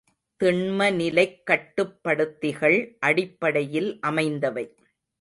திண்மநிலைக் கட்டுப்படுத்திகள் அடிப்படையில் அமைந்தவை.